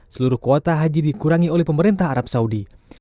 seluruh kuota haji dikurangi oleh pemerintah arab saudi